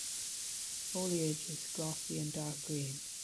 Foliage is glossy and dark green.